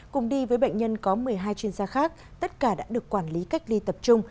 cùng đi với bệnh nhân có một mươi hai chuyên gia khác tất cả đã được quản lý cách ly tập trung